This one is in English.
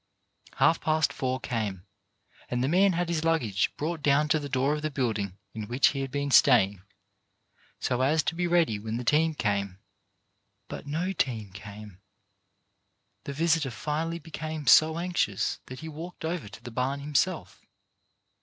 Half past four came, and the man had his luggage brought down to the door of the building in which he had been staying, so as to be ready when the team came. But no team came. The visitor finally became so anxious that he walked over to the barn himself.